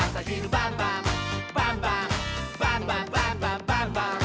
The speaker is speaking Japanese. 「バンバンバンバンバンバン！」